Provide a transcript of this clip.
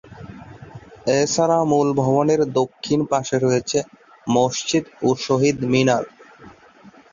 এছাড়া মূল ভবনের দক্ষিণ পাশে রয়েছে মসজিদ ও শহীদ মিনার।